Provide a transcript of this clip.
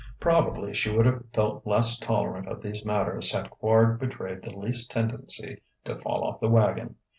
Probably she would have felt less tolerant of these matters had Quard betrayed the least tendency to "fall off the wagon."